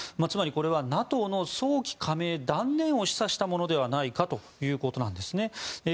つまり、これはＮＡＴＯの早期加盟断念を示唆したものではないかということです。